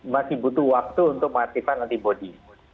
masih butuh waktu untuk mengaktifkan antibody